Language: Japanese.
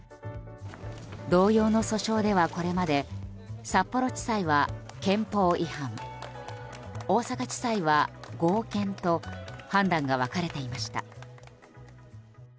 同様の訴訟ではこれまで札幌地裁は憲法違反大阪地裁は合憲と判断が分かれていました。